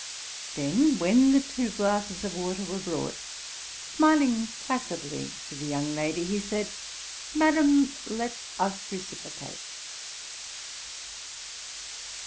Then when the two glasses of water were brought, smiling placidly to the young lady, he said, 'Madam, let us reciprocate.'